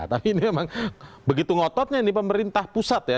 tapi ini memang begitu ngototnya ini pemerintah pusat ya